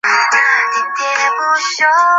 李迅李姚村人。